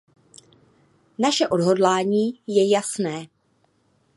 Naše odhodlání je jasné.